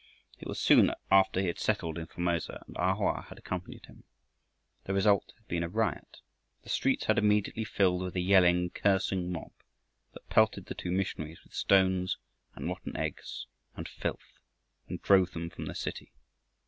It was soon after he had settled in Formosa and A Hoa had accompanied him. The result had been a riot. The streets had immediately filled with a yelling, cursing mob that pelted the two missionaries with stones and rotten eggs and filth, and drove them from the city.